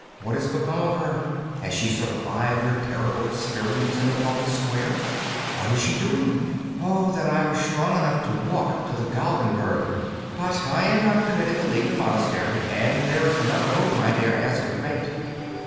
What has become of her? Has she survived her terrible experience in the public square? What is she doing? Oh, that I were strong enough to walk to the Galgenberg! But I am not permitted to leave the monastery, and there is none of whom I dare ask her fate.